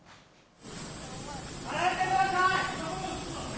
離れてください！